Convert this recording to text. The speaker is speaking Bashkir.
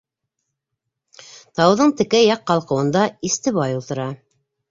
Тауҙың текә яҡ ҡалҡыуында Истебай ултыра.